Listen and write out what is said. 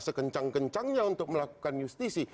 sekencang kencangnya untuk melakukan justisi